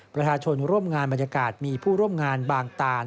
ประชาชนร่วมงานบรรยากาศมีผู้ร่วมงานบางตาน